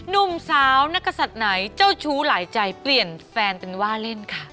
หนุ่มสาวนักศัตริย์ไหนเจ้าชู้หลายใจเปลี่ยนแฟนเป็นว่าเล่นค่ะ